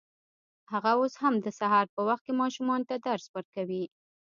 هغه اوس هم د سهار په وخت کې ماشومانو ته درس ورکوي